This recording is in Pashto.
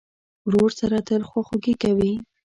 ورور سره تل خواخوږي کوې.